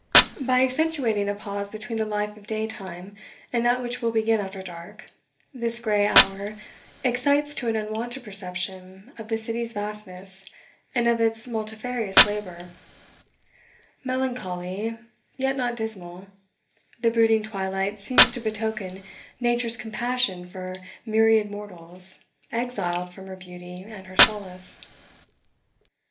By accentuating a pause between the life of daytime and that which will begin after dark, this grey hour excites to an unwonted perception of the city's vastness and of its multifarious labour; melancholy, yet not dismal, the brooding twilight seems to betoken Nature's compassion for myriad mortals exiled from her beauty and her solace.